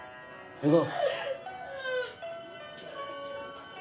行こう。